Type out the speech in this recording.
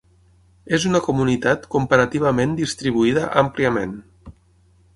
És una comunitat comparativament distribuïda àmpliament.